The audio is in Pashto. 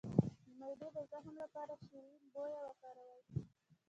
د معدې د زخم لپاره شیرین بویه وکاروئ